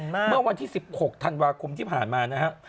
เมื่อวันที่๑๖ธันวาคมที่ผ่านมานะฮะ